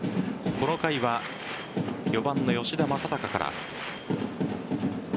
この回は４番の吉田正尚から。